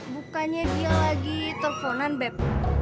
bukannya dia lagi telfonan beb